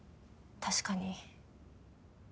確かに。